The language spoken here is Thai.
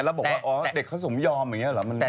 แล้วบอกว่าอ๋อเด็กเขาสมยอมอย่างนี้เหรอ